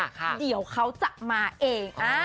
ก็จะมีแฟนนั่นแหละเดี๋ยวเขาจะมาเอง